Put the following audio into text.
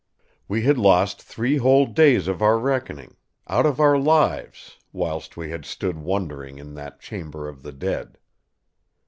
"We had lost three whole days of our reckoning—out of our lives—whilst we had stood wondering in that chamber of the dead.